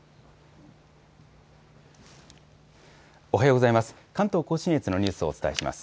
おはようございます。